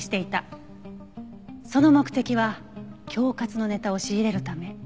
その目的は恐喝のネタを仕入れるため。